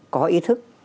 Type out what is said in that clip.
có ý thức